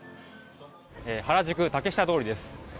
原宿・竹下通りです。